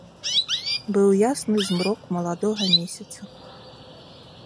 Быў ясны змрок маладога месяца.